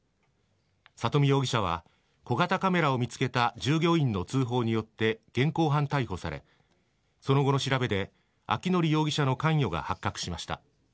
佐登美容疑者は小型カメラを見つけた従業員の通報によって現行犯逮捕されその後の調べで明範容疑者の関与が発覚しました。